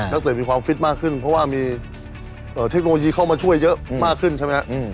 เกิดมีความฟิตมากขึ้นเพราะว่ามีเทคโนโลยีเข้ามาช่วยเยอะมากขึ้นใช่ไหมครับ